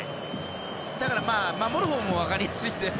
だから、守るほうも分かりやすいし。